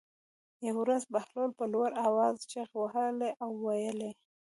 یوه ورځ بهلول په لوړ آواز چغې وهلې او ویلې یې.